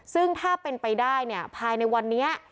ซึ่งถ้าเป็นไปได้เนี่ยภายในวันนี้